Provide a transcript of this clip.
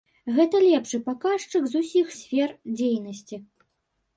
Гэта лепшы паказчык з усіх сфер дзейнасці.